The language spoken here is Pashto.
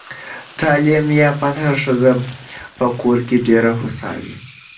تعلیم یافته ښځه په کور کې ډېره هوسا وي.